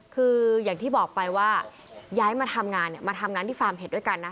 คืออย่างที่บอกไปว่าย้ายมาทำงานมาทำงานที่ฟาร์มเห็ดด้วยกันนะ